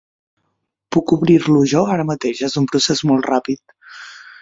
Puc obrir-lo jo ara mateix, és un procés molt ràpid.